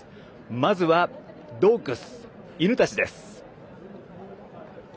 まずはドッグス、犬たちです。